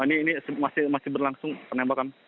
ini masih berlangsung penembakan